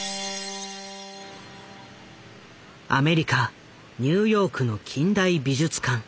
アメリカニューヨークの近代美術館